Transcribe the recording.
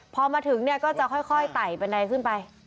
พอมาถึงเนี่ยก็จะค่อยไต่บันไดขึ้นไป